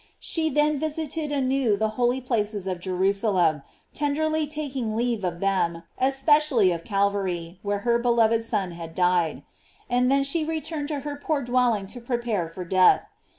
She then visited anew the holy places of Jerusalem, tenderly taking leave of them, especially of Cal vary, where her beloved Son had died. And 486 GLORIES OF MARY. then she returned to her poor dwelling to pre* pare for death.